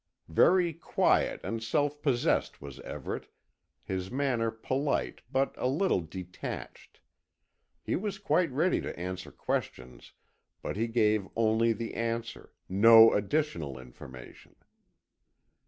Very quiet and self possessed was Everett, his manner polite but a little detached. He was quite ready to answer questions but he gave only the answer, no additional information.